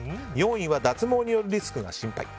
４位は脱毛によるリスクが心配。